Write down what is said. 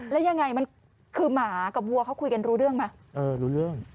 แล้วยังไงมันคือหมากับวัวเขาคุยกันรู้เรื่องไหมเออรู้เรื่อง